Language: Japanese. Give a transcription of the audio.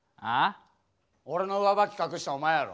俺の上履き隠したんお前やろ。